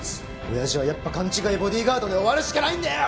親父はやっぱ勘違いボディーガードで終わるしかないんだよ！